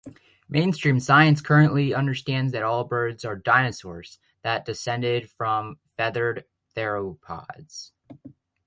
Mainstream science currently understands that all birds are dinosaurs that descended from feathered theropods.